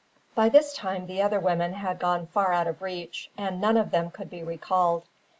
By this time the other women had gone far out of reach, and none of them could be recalled.